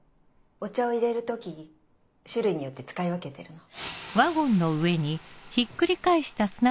お茶を入れる時種類によって使い分けてるの。